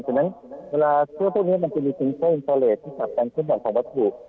เพราะฉะนั้นเวลาเครื่องพวกนี้มันจะมีซิงเซอร์อินเตอร์เลสที่กลับกันขึ้นมาของประถูก